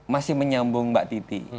masih menyambung mbak titi